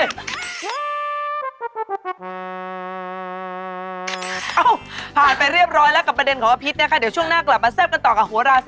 เอ้าผ่านไปเรียบร้อยแล้วกับประเด็นของอภิษนะคะเดี๋ยวช่วงหน้ากลับมาแซ่บกันต่อกับหัวราศี